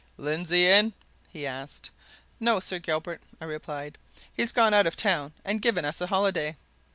"Lindsey in?" he asked. "No, Sir Gilbert," I replied. "He's gone out of town and given us a holiday."